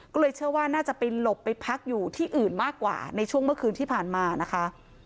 ก็เลยเชื่อว่าน่าจะไปหลบไปพักอยู่ที่อื่นมากกว่าในช่วงเมื่อคืนที่ผ่านมานะคะ